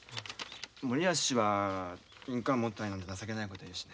森安氏は印鑑持ってないなんて情けないこと言うしね。